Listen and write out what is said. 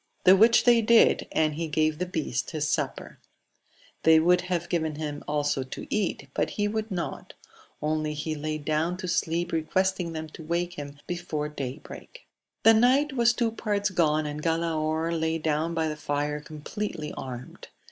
The which they did, and he gave the beast his supper. They would have gLyen him also to eat, but he would not ; only he lay down to sleep, requesting them to wake him before day break. The night was two parts gone, and Galaor lay down by the fire, completely armed.